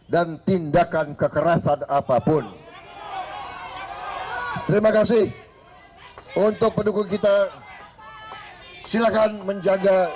dan tindakan kekerasan apapun terima kasih untuk pendukung kita silakan menjaga tps